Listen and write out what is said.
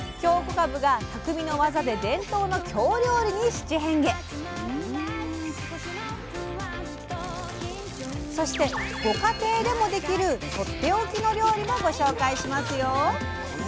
かぶが匠の技でそしてご家庭でもできるとっておきの料理もご紹介しますよ。